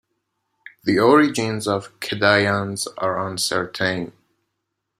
The origins of the Kedayans are uncertain.